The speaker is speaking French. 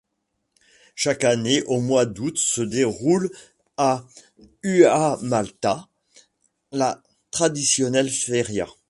Chaque année au mois d'août se déroule à Huamantla la traditionnelle feria.